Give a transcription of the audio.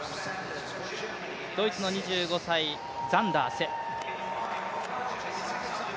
ドイツの２５歳、ザンダース。